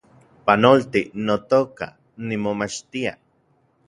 Panolti, notoka, nimomachtia